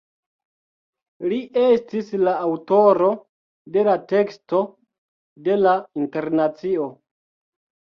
Li estis la aŭtoro de la teksto de "La Internacio".